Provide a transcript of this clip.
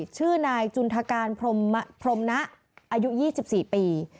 ชื่อนายจุนทการพรมนะอายุ๒๔ปี